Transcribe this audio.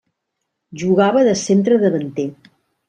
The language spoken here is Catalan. Jugava de centre davanter.